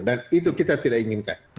dan itu kita tidak inginkan